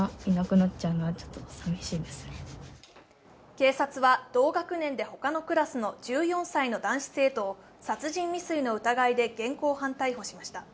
警察は同学年で他のクラスの１４歳の男子生徒を殺人未遂の疑いで現行犯逮捕しました。